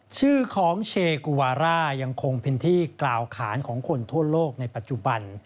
ชื่อของเชกุวาร่ายังคงเป็นที่กล่าวขานของคนทั่วโลกในปัจจุบัน